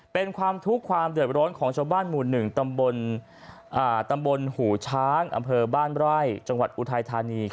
เป็นความทุกข์ความเดือดร้อนของชาวบ้านหมู่๑ตำบลตำบลหูช้างอำเภอบ้านไร่จังหวัดอุทัยธานี